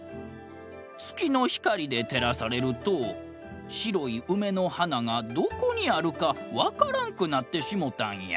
つきのひかりでてらされるとしろいうめのはながどこにあるかわからんくなってしもたんや。